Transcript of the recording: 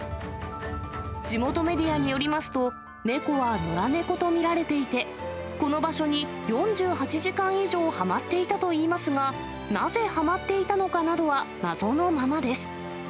地元メディアによりますと、猫は野良猫と見られていて、この場所に４８時間以上はまっていたといいますが、なぜはまっていたかなどは、謎のままです。